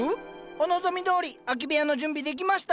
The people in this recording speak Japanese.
お望みどおり空き部屋の準備できました。